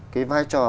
cái vai trò